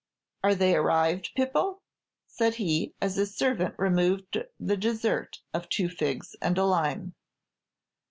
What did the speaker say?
"Are they arrived, Pipo?" said he, as his servant removed the dessert of two figs and a lime.